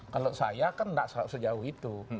kalau saya kan tidak sejauh itu